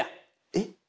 えっ？